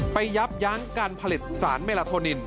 ยับยั้งการผลิตสารเมลาโทนิน